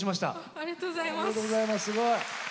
ありがとうございます。